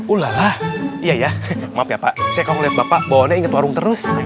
ulala iya ya maaf ya pak saya kalau ngeliat bapak bawaannya inget warung terus